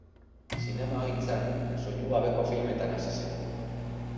Zinemagintzan soinu gabeko filmetan hasi zen.